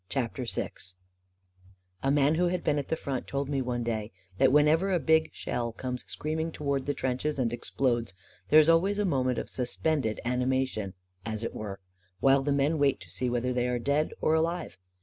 CHAPTER VI A MAN who had been at the front told me one day that whenever a big shell comes screaming toward the trenches and explodes, there is always a moment of suspended animation, as it were, while the men wait to see whether they are dead or alive.